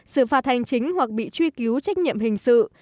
xử phạt hành chính hoặc bị truy cứu trách nhiệm hình sự